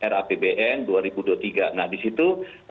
rapbn dua ribu dua puluh tiga nah disitu